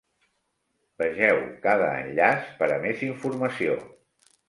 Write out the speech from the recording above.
Vegeu cada enllaç per a més informació.